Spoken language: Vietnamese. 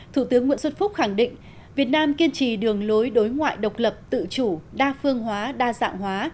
thủ tướng nguyễn xuân phúc khẳng định việt nam kiên trì đường lối đối ngoại độc lập tự chủ đa phương hóa đa dạng hóa